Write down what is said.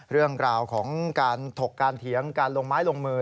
เรื่องราวของการถกการเถียงการลงไม้ลงมือ